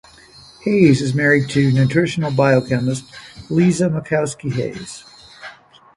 Hayes is married to nutritional biochemist Liza Makowski Hayes.